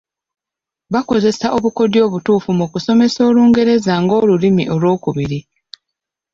Bakozesa obukodyo obutuufu mu kusomesa Olungereza ng’olulimi olw’okubiri.